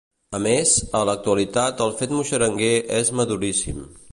A més, a l'actualitat el fet muixeranguer és maduríssim.